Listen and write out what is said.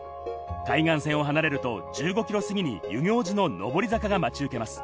海岸線を離れると１５ｋｍ過ぎに遊行寺の上り坂が待ち受けます。